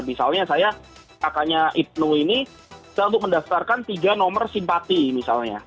misalnya saya kakaknya ibnu ini bisa untuk mendaftarkan tiga nomor simpati misalnya